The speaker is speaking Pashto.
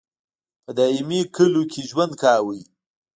په دایمي کلیو کې یې ژوند کاوه.